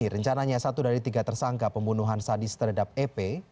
rencananya satu dari tiga tersangka pembunuhan sadis terhadap ep